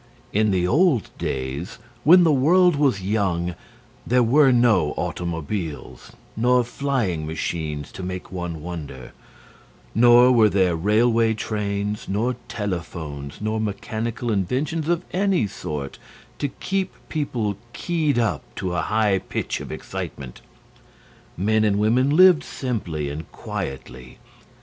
In the old days, when the world was young, there were no automobiles nor flying machines to make one wonder; nor were there railway trains, nor telephones, nor mechanical inventions of any sort to keep people keyed up to a high pitch of excitement. Men and women lived simply and quietly.